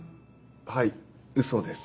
はいウソです。